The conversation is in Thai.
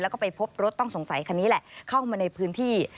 แล้วก็ไปพบรถต้องสงสัยคันนี้แหละเข้ามาในพื้นที่